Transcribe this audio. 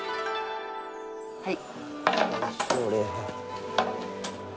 はい。